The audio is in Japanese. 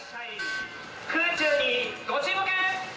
・空中にご注目！